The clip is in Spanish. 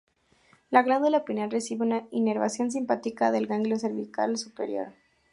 La glándula pineal recibe una inervación simpática del ganglio cervical superior.